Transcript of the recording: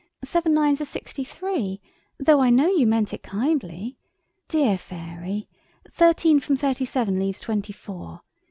Seven nines are sixty three—though I know you meant it kindly. Dear Fairy. Thirteen from thirty seven leaves twenty four.